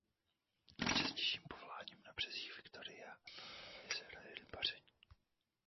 Nejčastějším povoláním na březích Viktoriina jezera je rybaření.